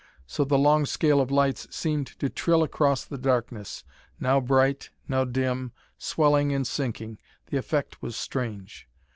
So the long scale of lights seemed to trill across the darkness, now bright, now dim, swelling and sinking. The effect was strange.